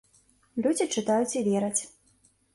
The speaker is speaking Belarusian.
Людзі чытаюць і вераць.